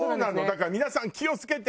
だから皆さん気を付けて。